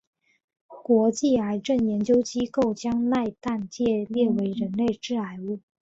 国际癌症研究机构将萘氮芥列为人类致癌物。